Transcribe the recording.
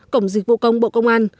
cổng dịch vụ công bộ công an